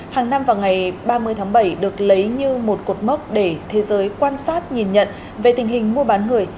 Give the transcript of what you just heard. hàng năm vào ngày ba mươi tháng bảy được lấy như một cột mốc để thế giới quan sát nhìn nhận về tình hình mua bán người